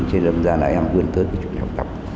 chứ đâm ra là em vươn tới cái trường học tập